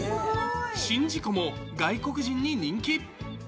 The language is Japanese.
宍道湖も、外国人に人気。